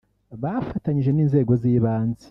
Bafatanyije n’inzego z’ibanze